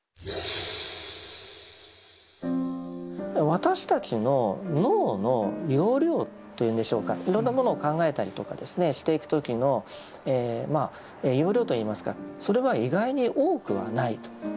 私たちの脳の容量というんでしょうかいろんなものを考えたりとかですねしていく時の容量といいますかそれは意外に多くはないと。